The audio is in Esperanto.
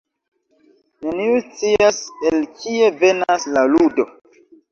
Neniu scias el kie venas La Ludo.